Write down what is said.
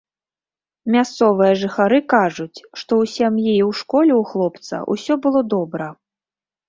Мясцовыя жыхары кажуць, што ў сям'і і ў школе ў хлопца ўсё было добра.